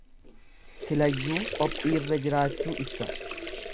Silayyuu qophiirra jiraachuu ibsa.